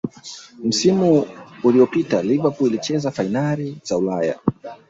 msimu uliyopita liverpool ilicheza fainali za ulaya